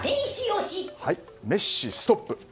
メッシ、ストップ。